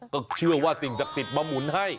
ก็เชื่อว่าสิ่งศักดิ์สิทธิ์มาหมุนให้